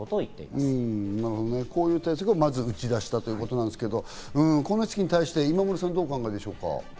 まずこういう対策を打ち出したということですが、光熱費に対して今村さん、どうお考えですか？